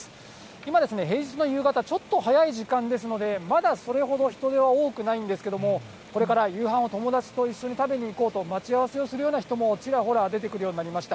今、平日の夕方、ちょっと早い時間ですので、まだそれほど人出は多くないんですけれども、これから夕飯を友達と一緒に食べに行こうと、待ち合わせをするような人もちらほら出てくるようになりました。